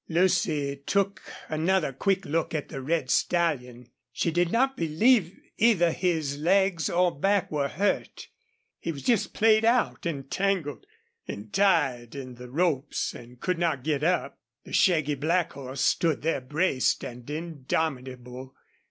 Lucy took another quick look at the red stallion. She did not believe either his legs or back were hurt. He was just played out and tangled and tied in the ropes, and could not get up. The shaggy black horse stood there braced and indomitable.